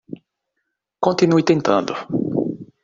Continue tentando.